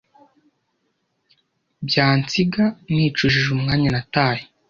byansiga nicujije umwanya nataye